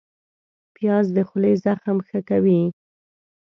پیاز د خولې زخم ښه کوي